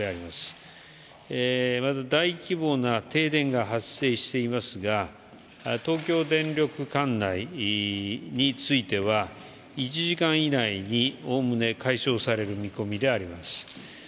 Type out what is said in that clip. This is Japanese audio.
まず大規模な停電が発生していますが東京電力管内については１時間以内におおむね解消される見込みであります。